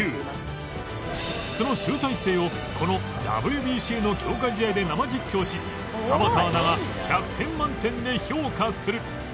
その集大成をこの ＷＢＣ の強化試合で生実況し田畑アナが１００点満点で評価する